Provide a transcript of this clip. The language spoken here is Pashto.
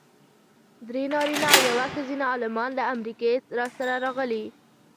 درې نارینه او یوه ښځینه عالمان له امریکې راسره راغلي.